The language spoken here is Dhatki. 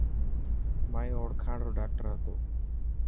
مائي اوڙکاڻ رو ڊاڪٽر هتو.